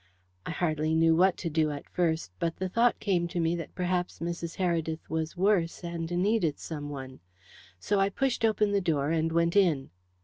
I hardly knew what to do at first, but the thought came to me that perhaps Mrs. Heredith was worse, and needed someone. So I pushed open the door and went in.